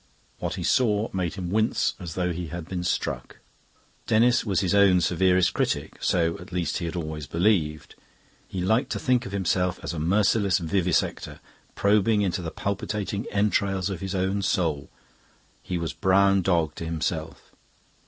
What he saw made him wince as though he had been struck. Denis was his own severest critic; so, at least, he had always believed. He liked to think of himself as a merciless vivisector probing into the palpitating entrails of his own soul; he was Brown Dog to himself.